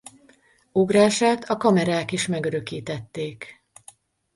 Ugrását a kamerák is megörökítették.